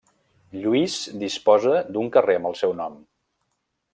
Lluís disposa d'un carrer amb el seu nom.